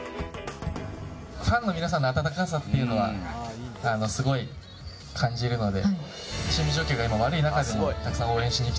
ファンの皆さんの温かさっていうのはすごい感じるので。